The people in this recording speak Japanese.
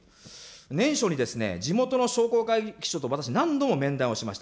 年初に、地元の商工会議所と私、何度も面談をしました。